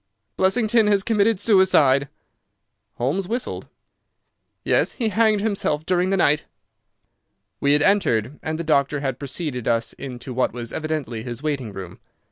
"Blessington has committed suicide!" Holmes whistled. "Yes, he hanged himself during the night." We had entered, and the doctor had preceded us into what was evidently his waiting room.